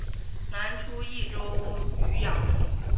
宋初蓟州渔阳人。